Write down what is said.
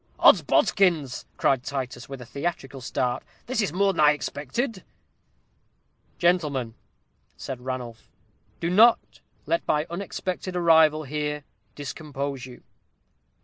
"Odsbodikins!" cried Titus, with a theatrical start; "this is more than I expected." "Gentlemen," said Ranulph, "do not let my unexpected arrival here discompose you. Dr.